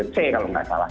c kalau tidak salah